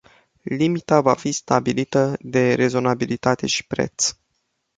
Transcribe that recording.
Limita va fi stabilită de rezonabilitate și preț.